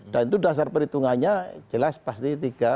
dan itu dasar perhitungannya jelas pasti tiga satu